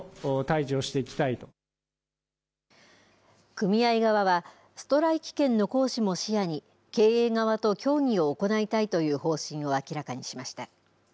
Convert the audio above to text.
組合側は、ストライキ権の行使も視野に、経営側と協議を行いたいという方針を明らかにしました。